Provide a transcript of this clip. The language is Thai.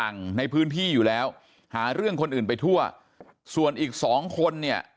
ในพื้นที่อยู่แล้วหาเรื่องคนอื่นไปทั่วส่วนอีกสองคนเนี่ย